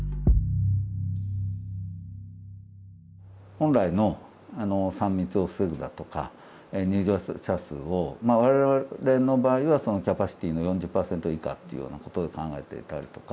本来の三密を防ぐだとか入場者数を我々の場合はキャパシティーの４０％以下っていうようなことで考えていたりとか。